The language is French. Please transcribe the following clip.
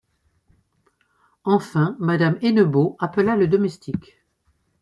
Enfin, madame Hennebeau appela le domestique.